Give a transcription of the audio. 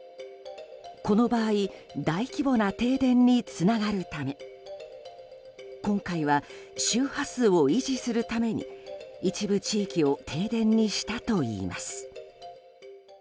この場合大規模な停電につながるため今回は周波数を維持するために一部地域を停電にしたといいます。